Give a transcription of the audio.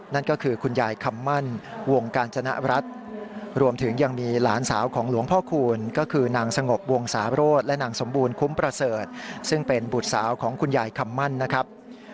นั่นก็คือคุณยายคำมั่นวงกาญจนรัฐรวมถึงยังมีหลานสาวของหลวงพ่อคูณก็คือนางสงบวงศาโรธและนางสมบูรณคุ้มประเสริฐซึ่งเป็นบุตรสาวของคุณยายคำมั่นนะครับ